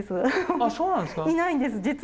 あそうなんですか。